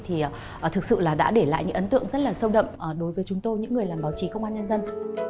thì thực sự là đã để lại những ấn tượng rất là sâu đậm đối với chúng tôi những người làm báo chí công an nhân dân